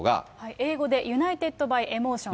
英語でユナイテッド・バイ・エモーション。